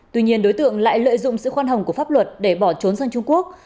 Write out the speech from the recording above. tuy nhiên đối tượng lại lợi dụng sự khoan hồng của pháp luật để bỏ trốn sang trung quốc